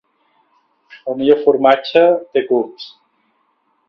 El millor formatge té cucs.